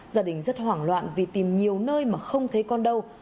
gia đình rất hoảng loạn vì tìm nhiều nơi mà không thấy con đâu